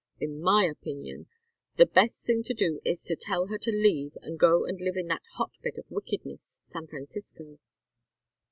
In my opinion the best thing to do is to tell her to leave and go and live in that hot bed of wickedness, San Francisco."